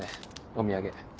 お土産。